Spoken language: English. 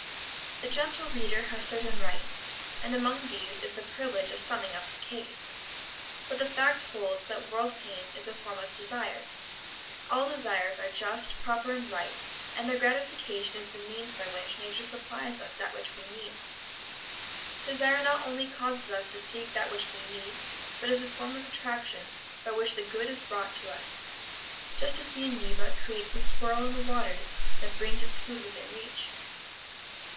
The gentle reader has certain rights, and among these is the privilege of summing up the case. But the fact holds that world pain is a form of desire. All desires are just, proper and right; and their gratification is the means by which Nature supplies us that which we need. Desire not only causes us to seek that which we need, but is a form of attraction by which the good is brought to us, just as the ameba creates a swirl in the waters that brings its food within reach.